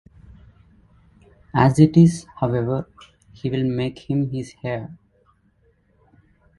As it is, however, he will make him his heir.